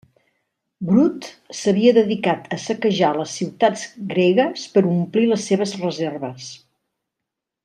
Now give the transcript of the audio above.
Brut s'havia dedicat a saquejar les ciutats gregues per omplir les seves reserves.